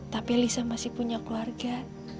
tapi lisa masih punya keluarga